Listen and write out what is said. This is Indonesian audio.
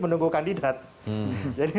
menunggu kandidat jadi